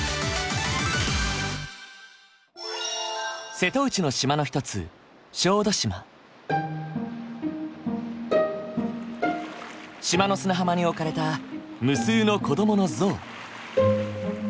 瀬戸内の島の一つ島の砂浜に置かれた無数の子どもの像。